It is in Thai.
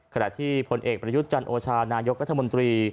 ขณะที่ผลเอกประยุทธ์จันโอชานายกรัฐมนตรี